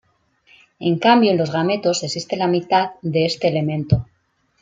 En cambio en los gametos existe la mitad de este elemento.